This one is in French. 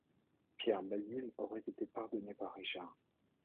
Pierre Basile aurait été pardonné par Richard.